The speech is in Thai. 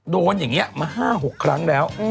โดนอย่างนี้มา๕๖ครั้งแล้ว